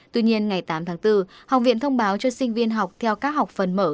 tuy nhiên ngày tám tháng bốn học viện thông báo cho sinh viên học theo các học phần mở